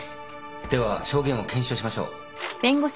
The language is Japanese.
では証言を検証しましょう。